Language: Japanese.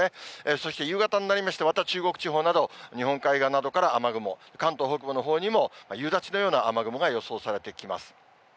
そして夕方になりまして、また中国地方など、日本海側などから雨雲、関東北部のほうにも夕立のような雨雲が予想されてきます。